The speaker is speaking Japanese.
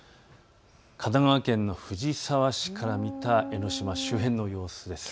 神奈川県の藤沢市から見た江ノ島周辺の様子です。